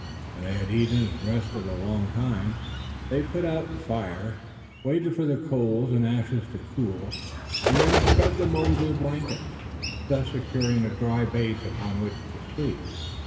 When they had eaten and rested a long time they put out the fire, waited for the coals and ashes to cool, and then spread over them their blankets, thus securing a dry base upon which to sleep.